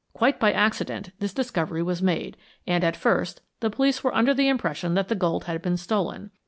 Quite by accident this discovery was made, and, at first, the police were under the impression that the gold had been stolen.